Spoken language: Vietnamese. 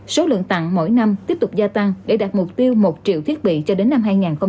số lượng tặng mỗi năm tiếp tục gia tăng để đạt mục tiêu một triệu thiết bị cho đến năm hai nghìn hai mươi